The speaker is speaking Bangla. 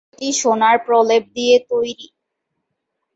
এটি সোনার প্রলেপ দিয়ে তৈরি।